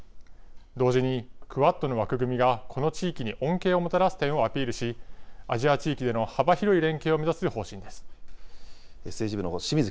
同時にクアッドの枠組みがこの地域に恩恵をもたらす点をアピールし、アジア地域での幅広い連携を目指す方針です。